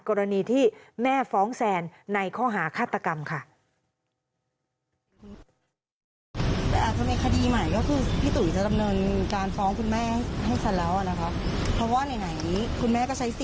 กรณีที่แม่ฟ้องแซนในข้อหาฆาตกรรมค่ะ